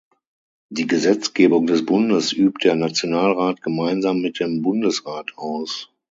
Die Gesetzgebung des Bundes übt der Nationalrat gemeinsam mit dem Bundesrat aus.